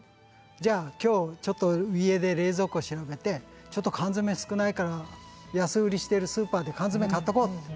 じゃあ今日ちょっと家で冷蔵庫調べてちょっと缶詰少ないから安売りしてるスーパーで缶詰買っとこうって。